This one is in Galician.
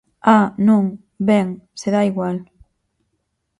¡Ah!, ¿non?, ben, se dá igual.